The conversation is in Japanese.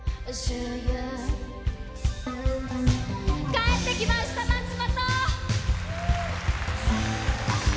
帰ってきました松本！